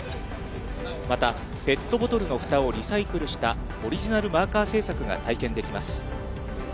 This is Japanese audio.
またペットボトルのふたをリサイクルした、オリジナルマーカー制作が体験できます。